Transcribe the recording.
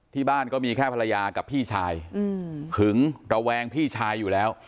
ที่บ้านก็มีแค่ภรรยากับพี่ชายหึงระแวงพี่ชายอยู่แล้ว